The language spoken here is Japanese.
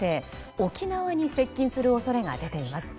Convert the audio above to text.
沖縄に接近する恐れが出ています。